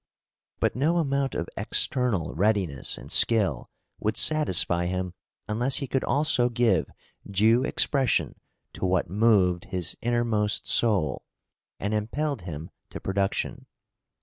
But no amount of external readiness and skill would satisfy him unless he could also give due expression to what moved his innermost soul, and impelled him to production.